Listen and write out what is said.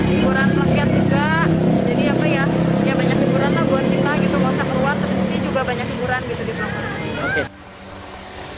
ini hiburan pelakian juga jadi banyak hiburan buat kita tidak usah keluar tapi juga banyak hiburan di pelakuan